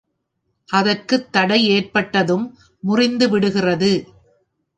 அதற்குத் தடை ஏற்பட்டதும் முறிந்து விடுகிறது.